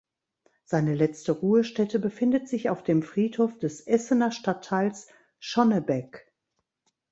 Seine letzte Ruhestätte befindet sich auf dem Friedhof des Essener Stadtteils Schonnebeck.